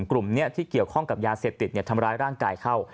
กลุ่มนี้ที่เกี่ยวข้องกับยาเสพติดทำร้ายร่างกายเข้า